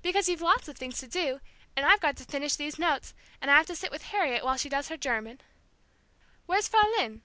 "Because you've lots of things to do, and I've got to finish these notes, and I have to sit with Harriet while she does her German " "Where's Fraulein?"